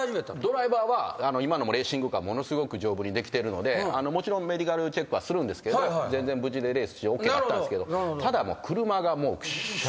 ドライバーは今のもレーシングカーものすごく丈夫にできてるのでもちろんメディカルチェックはするんですけど全然無事でレースしてＯＫだったんですけどただもう。